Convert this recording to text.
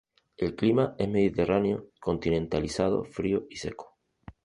El clima es mediterráneo continentalizado, frío y seco.